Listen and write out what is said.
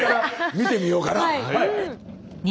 見てみようかな。